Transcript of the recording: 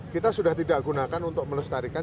kita sudah tidak gunakan untuk melestarikan